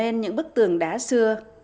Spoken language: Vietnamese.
cách làm nên những bức tường đá xưa